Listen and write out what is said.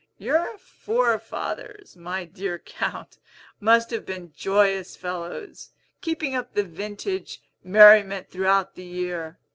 "Your forefathers, my dear Count, must have been joyous fellows, keeping up the vintage merriment throughout the year.